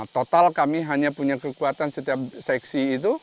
total kami hanya punya kekuatan setiap seksi itu